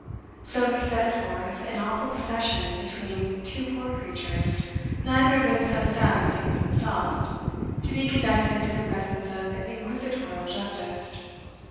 So he set forth in awful procession between two poor creatures, neither of them so stout as he was himself, to be conducted into the presence of inquisitorial justice.